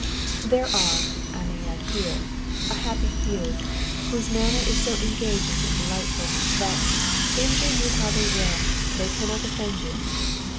There are (I may add here) a happy few, whose manner is so engaging and delightful, that, injure you how they will, they cannot offend you.